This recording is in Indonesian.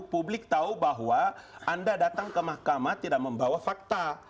publik tahu bahwa anda datang ke mahkamah tidak membawa fakta